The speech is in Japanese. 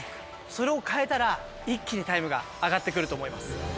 「それを変えたら一気にタイムが上がってくると思います」